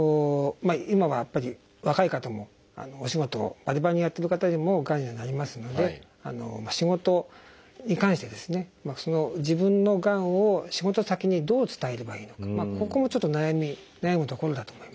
今はやっぱり若い方もお仕事をバリバリにやってる方でもがんにはなりますので仕事に関してですね自分のがんを仕事先にどう伝えればいいのかここもちょっと悩み悩むところだと思いますね。